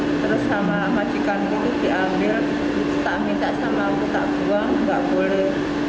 terus sama majikan itu diambil tak minta sama aku tak buang nggak boleh